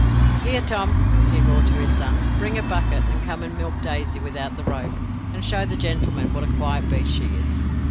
"Here Tom," he roared to his son, "bring a bucket, and come and milk Daisy without the rope, and show the gentleman what a quiet beast she is."